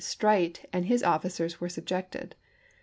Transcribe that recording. Streight and his officers were subjected.